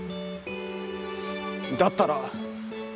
だったら。